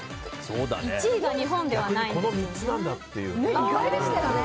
１位が日本ではないんですね。